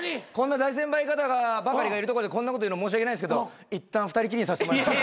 大先輩方ばかりがいるとこでこんなこと言うの申し訳ないっすけどいったん２人きりにさせてもらえませんか。